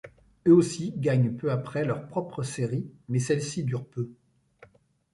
Eux aussi gagnent peu après leur propre série mais celle-ci dure peu.